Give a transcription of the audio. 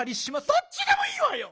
どっちでもいいわよ！